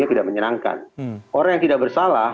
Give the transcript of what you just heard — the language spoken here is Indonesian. tidak menyenangkan orang yang tidak bersalah